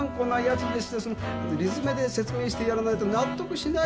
その理詰めで説明してやらないと納得しないんですよ。